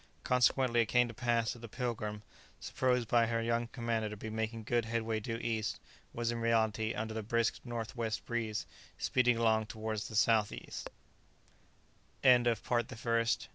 Consequently it came to pass that the "Pilgrim," supposed by her young commander to be making good headway due east, was in reality, under the brisk north west breeze, speeding along towards the south east.